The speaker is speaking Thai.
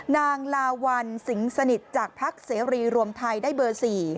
นางลาวัลสิงสนิทจากพักเสรีรวมไทยได้เบอร์๔